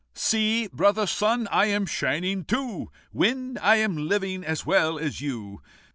See, brother Sun, I am shining too! Wind, I am living as well as you!